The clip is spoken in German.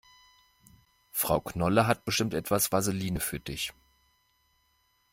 Frau Knolle hat bestimmt etwas Vaseline für dich.